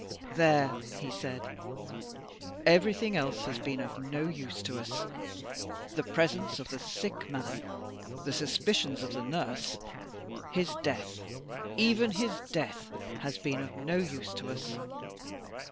"There," he said, "everything else has been of no use to us the presence of the sick man the suspicions of the nurse his death even his death has been of no use to us.